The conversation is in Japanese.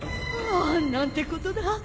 ああなんてことだ。